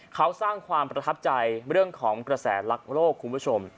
เขาสร้างความประทับใจเรื่องของกระแสรักโลกคุณผู้ชม